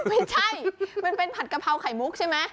ไม่ใช่มันเป็นผัดกะเพราไข่มุกใช่ไหม